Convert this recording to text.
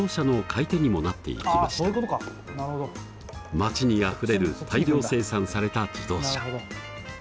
街にあふれる大量生産された自動車。